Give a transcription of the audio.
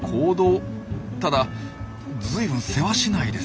ただ随分せわしないですねえ。